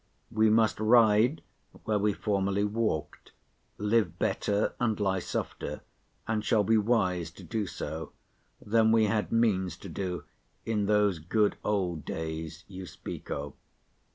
We must ride, where we formerly walked: live better, and lie softer—and shall be wise to do so—than we had means to do in those good old days you speak of.